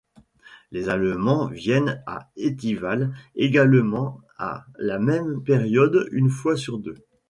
Les Allemands viennent à Étival également à la même période une fois sur deux.